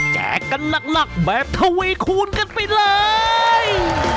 แจกกันหลักแบบทวีคูณกันไปเลย